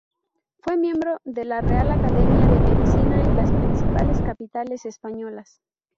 Fue miembro de la Real Academia de Medicina de las principales capitales españolas.